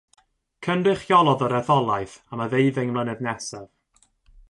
Cynrychiolodd yr etholaeth am y ddeuddeng mlynedd nesaf.